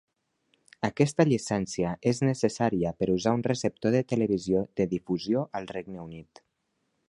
Aquesta llicència és necessària per usar un receptor de televisió de difusió al Regne Unit.